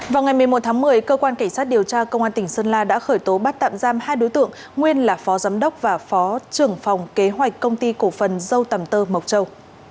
vào ngày một mươi một tháng một mươi cơ quan cảnh sát điều tra công an tỉnh sơn la đã khởi tố bắt tạm giam hai đối tượng nguyên là phó giám đốc và phó trưởng phòng kế hoạch công ty cổ phần dâu tầm tơ mộc châu